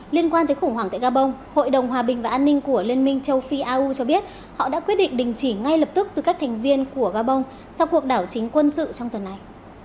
liên quan tới khủng hoảng tại gabon hội đồng hòa bình và an ninh của liên minh châu phi au cho biết họ đã quyết định đình chỉ ngay lập tức từ các thành viên của gabon sau cuộc đảo chính quân sự trong tuần này